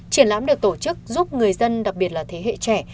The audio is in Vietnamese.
triển lãm được tổ chức giúp người dân đặc biệt là thế hệ trẻ